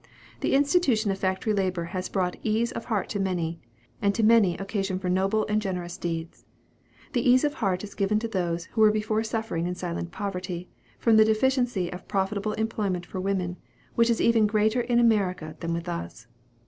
The institution of factory labor has brought ease of heart to many; and to many occasion for noble and generous deeds. The ease of heart is given to those who were before suffering in silent poverty, from the deficiency of profitable employment for women, which is even greater in America than with us.